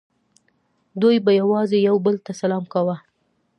دوی به یوازې یو بل ته سلام کاوه